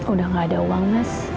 udah gak ada uang mas